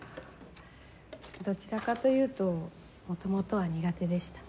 どちらかというと元々は苦手でした。